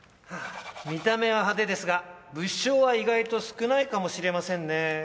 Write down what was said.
見た目は派手ですが物証は意外と少ないかもしれませんね